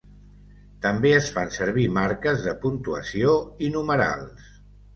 També es fan servir marques de puntuació i numerals.